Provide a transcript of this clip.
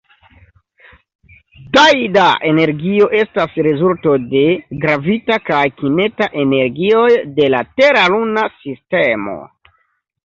Tajda energio estas rezulto de gravita kaj kineta energioj de la Tera-Luna sistemo.